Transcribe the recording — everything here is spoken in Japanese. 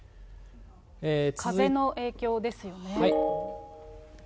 風の影響ですよね。